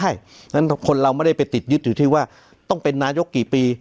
เพราะฉะนั้นคนเราไม่ได้ไปติดยึดอยู่ที่ว่าต้องเป็นนายกกี่ปี